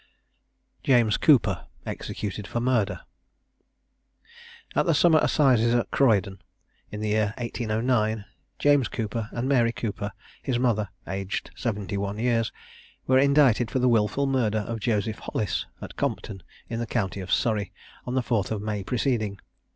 JAMES COOPER. EXECUTED FOR MURDER. At the Summer Assizes at Croydon, in the year 1809, James Cooper and Mary Cooper, his mother, aged seventy one years, were indicted for the wilful murder of Joseph Hollis, at Compton, in the county of Surrey, on the 4th May preceding.